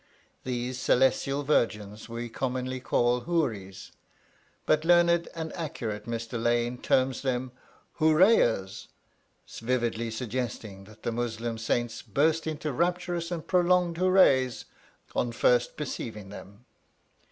These celestial virgins we commonly call houris, but learned and accurate Mr Lane terms them hooreeyehs, vividly suggesting that the Muslim saints burst into rapturous and prolonged hoorays on first perceiving them.